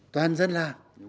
toàn dân là